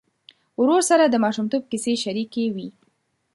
ورور سره د ماشومتوب کیسې شريکې وې.